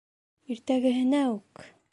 Иртәгеһенә ү-ү-үк!